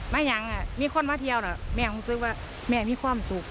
ไม่อย่างมีคนมาเที่ยวเมื่อของสิว่าไม่มีความสุข